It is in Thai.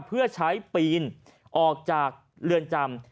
เพื่อใช้ปีนออกจากเรือนจำ